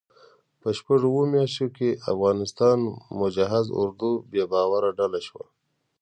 په شپږو اوو میاشتو کې افغانستان مجهز اردو بې باوره ډله شوه.